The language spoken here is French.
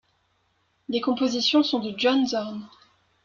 Les compositions sont de John Zorn.